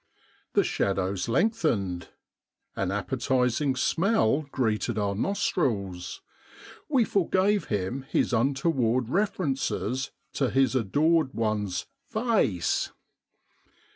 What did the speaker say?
The shadows lengthened — an appetising smell greeted our nostrils ; we forgave him his un toward references to his adored one's " faice."